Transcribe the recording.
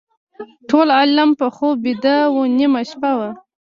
ټول عالم په خوب ویده و نیمه شپه وه.